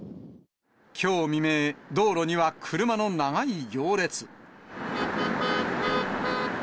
きょう未明、道路には車の長い行列。